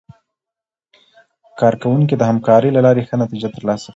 کارکوونکي د همکارۍ له لارې ښه نتیجه ترلاسه کوي